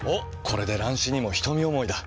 これで乱視にも瞳思いだ。